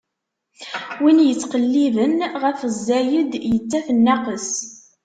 Win ittqelliben ɣef zzayed, ittaf nnaqes.